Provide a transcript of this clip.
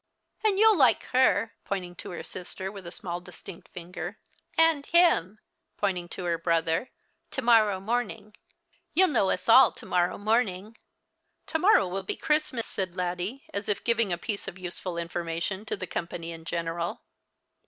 "And you'll like her," pointing to her sister with a small distinct finger; "and him," pointing to her brother, "to morrow morning. You'll know us all to morrow morning." " To morrow will be Christmas," said Laddie, as if gi\ing a piece of useful information to the company in general.